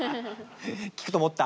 聞くと思った！